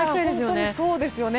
本当にそうですね。